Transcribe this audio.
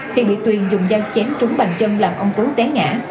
khi bị tuyền dùng dao chém trúng bàn chân làm ông tú té ngã